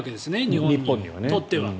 日本にとっては。